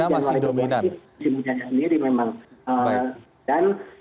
dan bagian besar biasanya puncak puncaknya di musim itu